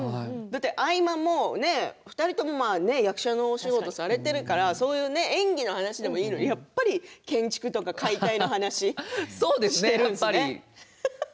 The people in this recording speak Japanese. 合間も、お二人とも役者のお仕事をされているから演技の話でもいいのにやっぱり建築とか解体の話しているんですね。